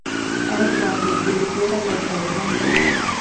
As was his way, Zora led by example.